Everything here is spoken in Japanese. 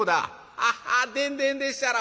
「ハハッでんでんでっしゃろ。